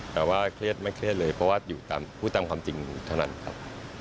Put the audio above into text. แต่ว่าเครียดไม่เครียดเลยเพราะว่าอยู่พูดตามความจริงเท่านั้นครับ